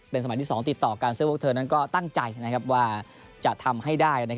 เป็นสมัยที่๒ติดต่อการเซิร์ฟโวคเทิร์นก็ตั้งใจว่าจะทำให้ได้